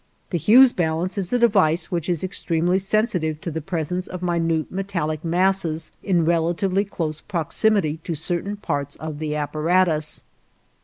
The Hughes balance is a device which is extremely sensitive to the presence of minute metallic masses in relatively close proximity to certain parts of the apparatus.